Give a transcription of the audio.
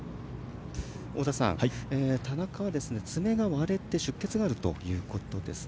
太田さん、田中は爪が割れて出血があるということですね。